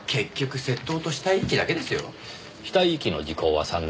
死体遺棄の時効は３年。